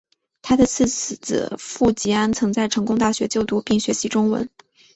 他的次子傅吉安曾在成功大学就读并学习中文。